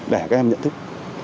để các em nhận thức